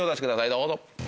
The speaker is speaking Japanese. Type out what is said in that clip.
どうぞ。